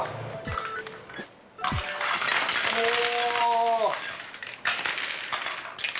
おお！